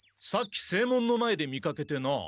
さっき正門の前で見かけてな。